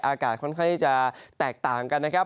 อากาศค่อยจะแตกต่างกันนะครับ